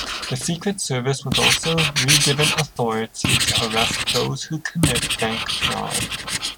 The Secret Service was also regiven authority to arrest those who commit bank fraud.